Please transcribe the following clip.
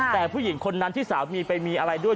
แต่ผู้หญิงคนนั้นที่สามีไปมีอะไรด้วย